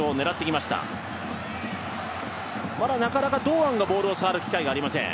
なかなか堂安がボールを触る機会がありません。